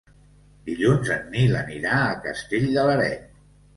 Dilluns en Nil anirà a Castell de l'Areny.